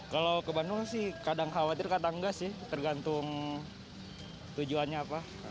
kalau ke bandung sih kadang khawatir kata enggak sih tergantung tujuannya apa